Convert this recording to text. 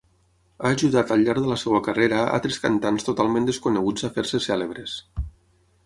Ha ajudat al llarg de la seva carrera altres cantants totalment desconeguts a fer-se cèlebres.